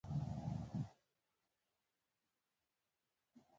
نمک حرامه غلام قادر له لاسه راغلي دي.